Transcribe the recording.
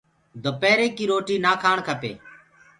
دُپيري ڪي روتي نآ کآڻ کپي۔